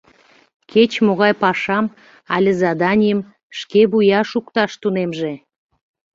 Кеч-могай пашам але заданийым шке вуя шукташ тунемже».